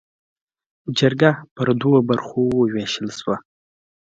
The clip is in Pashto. جرګه پر دوو برخو ووېشل شوه.